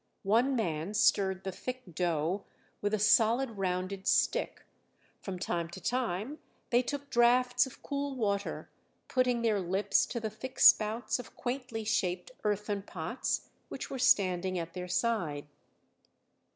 One man stirred the thick dough with a solid rounded stick; from time to time they took draughts of cool water, putting their lips to the thick spouts of quaintly shaped earthen pots which were standing at their side.